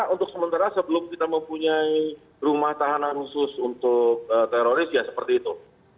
untuk sementara sebelum kita mempunyai rumah tahanan khusus untuk teroris ya seperti itu